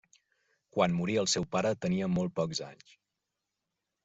Quan morí el seu pare tenia molt pocs anys.